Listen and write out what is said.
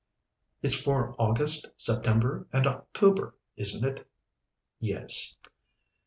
"It's for August, September, and October, isn't it?" "Yes."